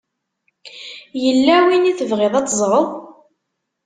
Yella win i tebɣiḍ ad teẓṛeḍ?